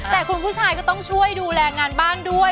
แต่คุณผู้ชายก็ต้องช่วยดูแลงานบ้านด้วย